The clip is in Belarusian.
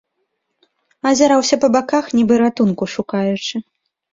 Азіраўся па баках, нібы ратунку шукаючы.